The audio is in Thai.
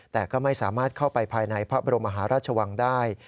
แต่ก็ไม่สามารถเข้าไปภายในพระบรมมหาราชวังได้